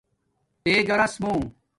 تے گھراس مُو